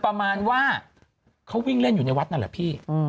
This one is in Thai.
ประมาณว่าเขาวิ่งเล่นอยู่ในวัดนั่นแหละพี่